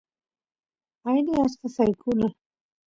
aini achka saykuna